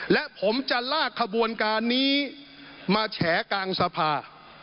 และผมจะลากขบวนการนี้มาแฉกลางสภา